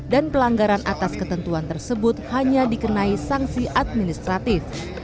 dan pelanggaran atas ketentuan tersebut hanya dikenai sanksi administratif